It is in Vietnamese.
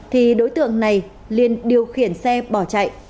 thì đối tượng này liên điều khiển xe bỏ chạy